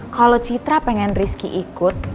kalau citra pengen rizky ikut